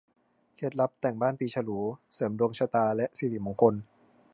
เคล็ดลับแต่งบ้านปีฉลู เสริมดวงชะตาและสิริมงคล